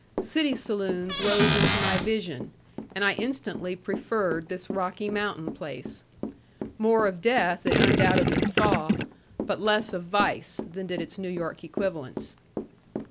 City saloons rose into my vision, and I instantly preferred this Rocky Mountain place. More of death it undoubtedly saw, but less of vice, than did its New York equivalents.